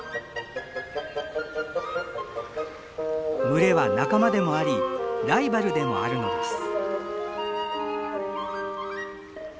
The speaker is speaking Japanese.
群れは仲間でもありライバルでもあるのです。